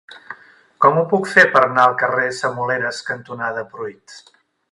Com ho puc fer per anar al carrer Semoleres cantonada Pruit?